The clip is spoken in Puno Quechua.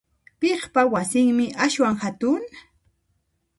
Piqpa wasinmi aswan hatun?